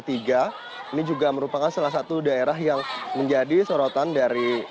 ini juga merupakan salah satu daerah yang menjadi sorotan dari